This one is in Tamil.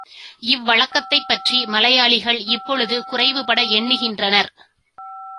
இவ் வழக்கத்தைப்பற்றி மலையாளிகள் இப்பொழுது குறைவு பட எண்ணுகின்றனர்.